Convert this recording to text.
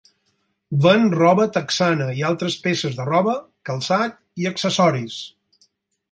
Ven roba texana i altres peces de roba, calçat i accessoris.